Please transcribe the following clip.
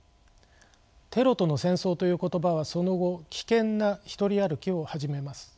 「テロとの戦争」という言葉はその後危険な独り歩きを始めます。